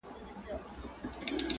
خیر، هالنډ ته ولاړو